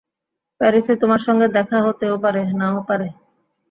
প্যারিসে তোমার সঙ্গে দেখা হতেও পারে, নাও পারে।